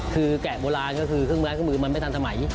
คือแกะโบราณก็คือเครื่องมือมันไม่ทันทำใหม่